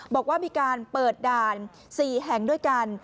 บอกว่ามีการเปิดด่าน๔แห่งด้วยกัน